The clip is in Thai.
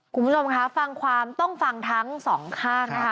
คุณผู้ชมคะฟังความต้องฟังทั้งสองข้างนะคะ